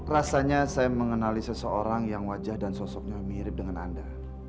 rasanya saya mengenali seseorang yang wajah dan sosoknya mirip dengan anda